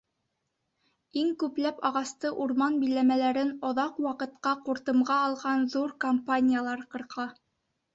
Иң күп ағасты урман биләмәләрен оҙаҡ ваҡытҡа ҡуртымға алған ҙур компаниялар ҡырҡа.